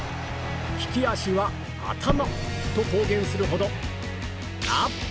利き足は頭と公言するほど、んが！